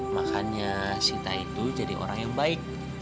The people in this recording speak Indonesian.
makanya sita itu jadi orang yang baik